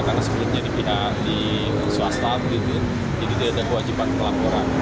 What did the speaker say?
karena sebelumnya di pihak di swasta jadi tidak ada wajib pelaporan